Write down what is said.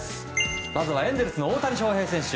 まずはエンゼルスの大谷翔平選手。